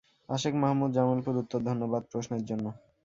আশেক মাহমুদ, জামালপুর উত্তর ধন্যবাদ প্রশ্নের জন্য।